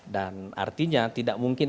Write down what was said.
dan artinya tidak mungkin